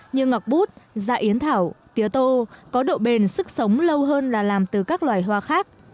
như ngọc bút dạ yến thảo tứa tô có độ bền sức sống lâu hơn là làm từ các loài hoa khác